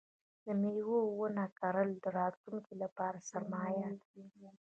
د مېوو ونه کرل د راتلونکي لپاره سرمایه ده.